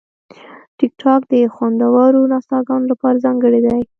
ټیکټاک د خوندورو نڅاګانو لپاره ځانګړی دی.